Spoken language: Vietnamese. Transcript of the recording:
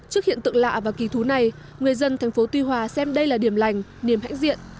trước hiện tượng lạ và kỳ thú này người dân thành phố tuy hòa xem đây là điểm lành niềm hãnh diện